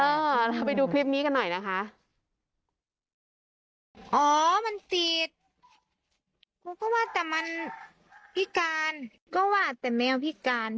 เราไปดูคลิปนี้กันหน่อยนะคะ